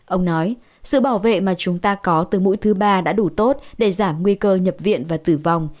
ông nói sự bảo vệ mà chúng ta có từ mũi thứ ba đã đủ tốt để giảm nguy cơ nhập viện và tử vong